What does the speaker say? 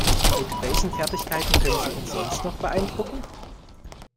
Mit welchen Fertigkeiten können Sie uns sonst noch beeindrucken?